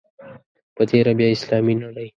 په تېره بیا اسلامي نړۍ.